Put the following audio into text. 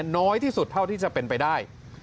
น้อยที่สุดเท่าที่จะเป็นไปได้